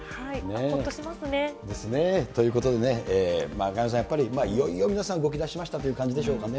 ほっとしますね。ですね。ということでね、萱野さん、やっぱりいよいよ、皆さん、動きだしましたという感じですかね。